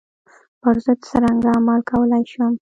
پر ضد څرنګه عمل کولای شم.